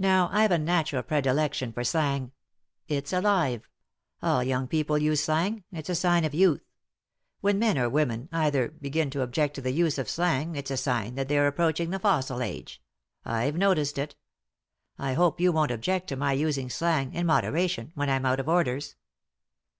Now I've a natural predilection for slang ; it's alive I All young people use slang ; it's a sign of youth. When men, or women either, begin to object to the use of slang it's a sign that they're approaching the fossil age. I've noticed it I hope you won't object to my using slang, in moderation, when I'm out of Orders